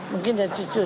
mungkin ya cucu